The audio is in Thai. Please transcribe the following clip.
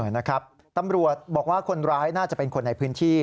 นะครับตำรวจบอกว่าคนร้ายน่าจะเป็นคนในพื้นที่